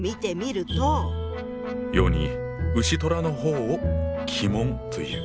「世に丑寅の方を鬼門という」。